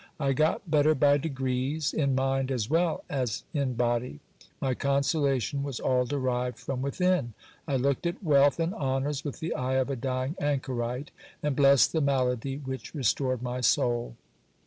I got better by degrees, in mind as well as in body. My consolation was all derived from within. I looked at wealth and honours with the eye of a dying anchorite, and blessed the malady which restored my soul.